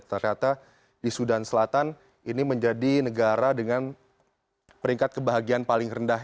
ternyata di sudan selatan ini menjadi negara dengan peringkat kebahagiaan paling rendah